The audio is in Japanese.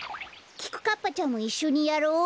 きくかっぱちゃんもいっしょにやろう。